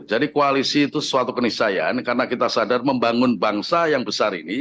jadi koalisi itu sesuatu keniscayaan karena kita sadar membangun bangsa yang besar ini